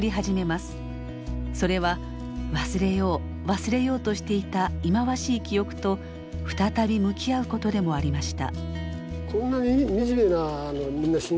それは忘れよう忘れようとしていた忌まわしい記憶と再び向き合うことでもありました。